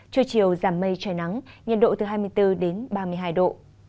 trưa chiều giảm mây trời nắng nhiệt độ từ hai mươi bốn đến ba mươi hai độ